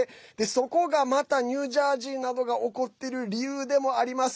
そこがまたニュージャージーなどが怒ってる理由でもあります。